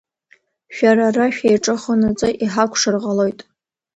Шәара ара шәеиҿыхонаҵы иҳакәшар ҟалоит.